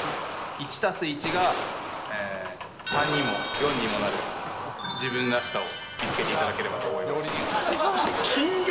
１＋１が３にも４にもなる自分らしさを見つけていただければ金言！